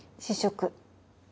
試食